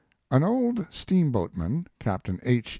" An old steamboatman, Captain H.